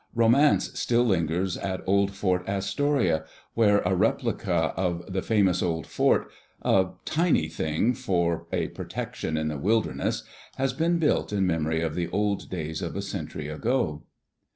Ro mance still lingers at old Fort Astoria, where a replica of y^ ^ Digitized by CjOOQIC > PREFACE the famous old fort — a tiny thing for a protection in the wilderness — has been built in memory of the old days of a century ago.